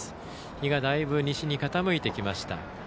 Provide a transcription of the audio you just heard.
日がだいぶ西に傾いてきました。